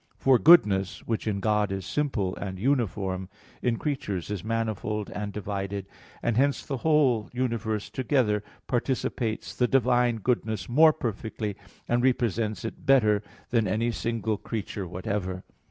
For goodness, which in God is simple and uniform, in creatures is manifold and divided and hence the whole universe together participates the divine goodness more perfectly, and represents it better than any single creature whatever.